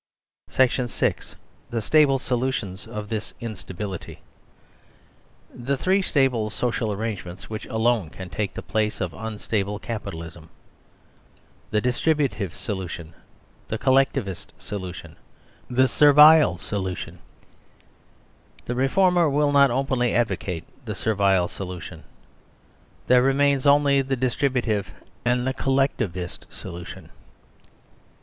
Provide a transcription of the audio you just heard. page%>\ SECTION VI THE STABLE SOLUTIONS OF THIS INSTABILITY : The three stable social arrangements which alone can take the place of unstable Capitalism The Distributive solution, the Collectivist solution, the Set vile solution The reformer will not openly ad vocate the Servile solution There remain only the Distributive and the Collectivist solution